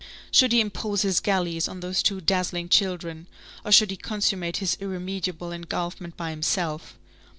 Should he impose his galleys on those two dazzling children, or should he consummate his irremediable engulfment by himself?